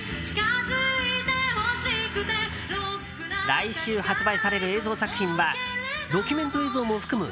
来週発売される映像作品はドキュメント映像も含む